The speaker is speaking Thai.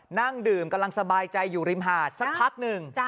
นั่งดื่มกำลังสบายใจอยู่ริมหาดสักพักหนึ่ง